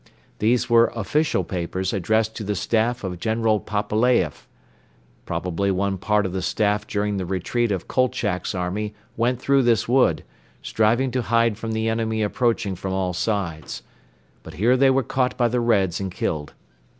These were official papers addressed to the Staff of General Pepelaieff. Probably one part of the Staff during the retreat of Kolchak's army went through this wood, striving to hide from the enemy approaching from all sides; but here they were caught by the Reds and killed.